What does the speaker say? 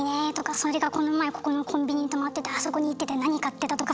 「それがこの前ここのコンビニに止まっててあそこに行ってて何買ってた」とか。